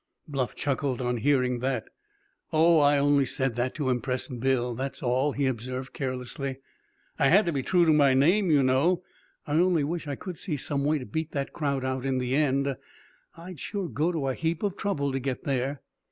Bluff chuckled on hearing that. "Oh, I only said that to impress Bill, that's all!" he observed carelessly. "I had to be true to my name, you know. I only wish I could see some way to beat that crowd out in the end. I'd sure go to a heap of trouble to get there."